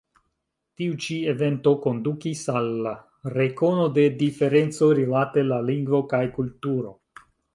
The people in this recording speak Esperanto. Tiu ĉi evento kondukis al rekono de diferenco rilate la lingvo kaj kulturo.